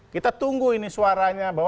kita tunggu ini suaranya